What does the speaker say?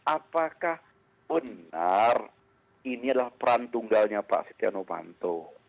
apakah benar ini adalah peran tunggalnya pak setiano panto